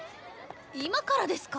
今からですか？